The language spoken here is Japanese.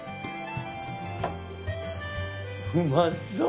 うまそう！